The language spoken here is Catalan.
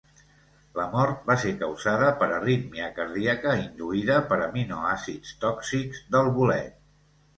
La mort va ser causada per arrítmia cardíaca induïda per aminoàcids tòxics del bolet.